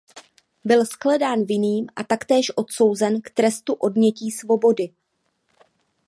Byl shledán vinným a taktéž odsouzen k trestu odnětí svobody.